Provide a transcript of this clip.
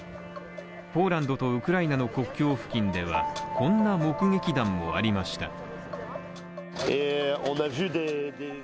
ポーランドとウクライナの国境付近ではこんな目撃談もありました。